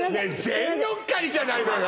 全乗っかりじゃないのよ！